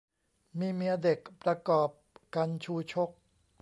มีเมียเด็ก ประกอบกัณฑ์ชูชก